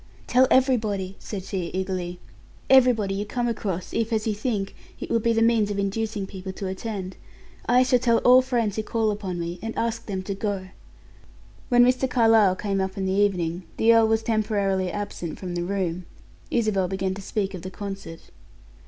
"Tell everybody," said she, eagerly. "Everybody you come across, if, as you think, it will be the means of inducing people to attend. I shall tell all friends who call upon me, and ask them to go." When Mr. Carlyle came up in the evening, the earl was temporarily absent from the room. Isabel began to speak of the concert.